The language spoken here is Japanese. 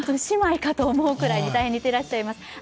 姉妹かと思うくらい大変似てらっしゃいます。